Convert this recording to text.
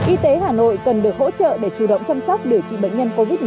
y tế hà nội cần được hỗ trợ để chủ động chăm sóc điều trị bệnh nhân covid một mươi